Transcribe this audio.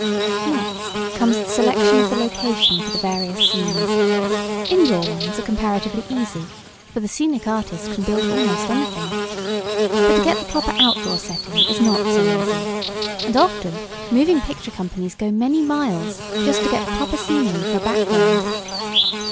Next comes the selection of the location for the various scenes. Indoor ones are comparatively easy, for the scenic artist can build almost anything. But to get the proper outdoor setting is not so easy, and often moving picture companies go many miles to get just the proper scenery for a background.